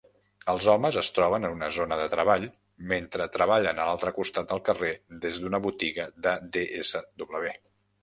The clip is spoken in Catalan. Els homes es troben en una zona de treball mentre treballen a l'altre costat del carrer des d'una botiga de DSW.